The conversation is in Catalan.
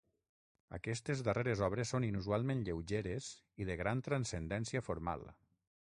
Aquestes darreres obres són inusualment lleugeres i de gran transcendència formal.